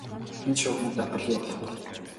Энэ шугамыг давбал юу болох бол?